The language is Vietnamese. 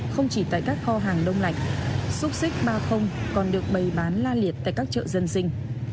không chỉ tại các kho hàng đông lạnh xúc xích ba còn được bày bán la liệt tại các chợ dân sinh